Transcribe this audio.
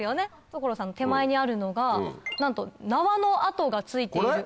所さんの手前にあるのがなんと縄の跡がついている。